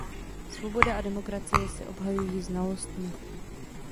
Svoboda a demokracie se obhajují znalostmi.